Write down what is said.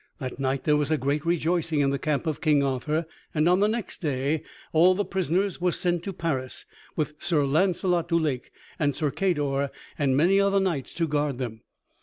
That night there was great rejoicing in the camp of King Arthur; and on the next day all the prisoners were sent to Paris, with Sir Launcelot du Lake and Sir Cador, and many other knights to guard them.